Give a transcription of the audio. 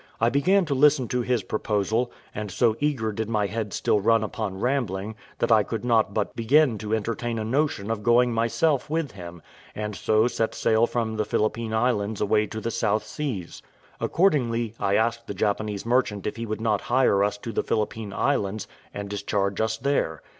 I began to listen to his proposal, and so eager did my head still run upon rambling, that I could not but begin to entertain a notion of going myself with him, and so to set sail from the Philippine Islands away to the South Seas; accordingly, I asked the Japanese merchant if he would not hire us to the Philippine Islands and discharge us there.